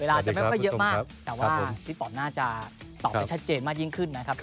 จะไม่ค่อยเยอะมากแต่ว่าพี่ป๋อมน่าจะตอบได้ชัดเจนมากยิ่งขึ้นนะครับ